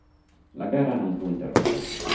La gara non fu interrotta.